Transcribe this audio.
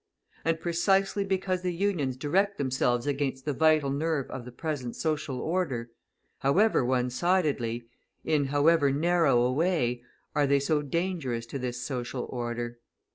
And precisely because the Unions direct themselves against the vital nerve of the present social order, however one sidedly, in however narrow a way, are they so dangerous to this social order.